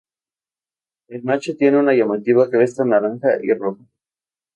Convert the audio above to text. El macho tiene una llamativa cresta naranja y roja.